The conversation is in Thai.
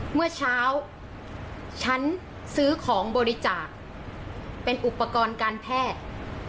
เมื่อเช้าฉันซื้อของบริจาคเป็นอุปกรณ์การแพทย์